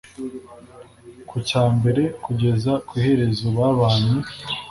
kucyambere kugeza kwiherezo babanye